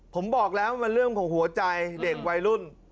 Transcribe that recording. ผมบอกแล้วมันเรื่องของหัวใจเด็กวัยรุ่น